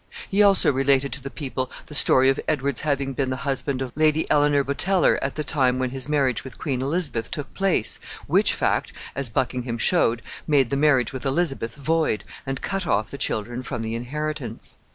He also related to the people the story of Edward's having been the husband of Lady Elinor Boteler at the time when his marriage with Queen Elizabeth took place, which fact, as Buckingham showed, made the marriage with Elizabeth void, and cut off the children from the inheritance.